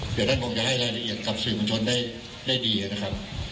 เดี๋ยวท่านคงจะให้รายละเอียดกับสื่อมวลชนได้ดีนะครับ